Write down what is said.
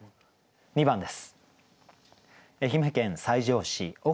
２番です。